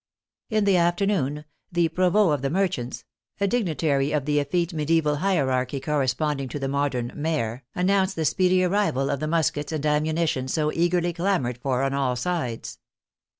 In the afternoon " the provost of the merchants " (a digni tary of the effete medieval hierarchy corresponding to the modern maire) announced the speedy arrival of the mus kets and ammunition so eagerly clamored for on all sides.